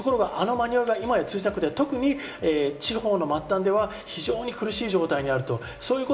あのマニュアルが今や通じなくて、特に地方の末端では非常に苦しい状態にある。